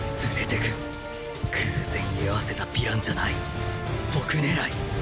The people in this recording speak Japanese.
偶然居合わせたヴィランじゃない僕狙い！